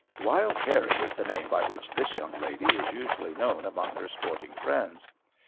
"Wild Harrie" is the name by which this young lady is usually known among her sporting friends.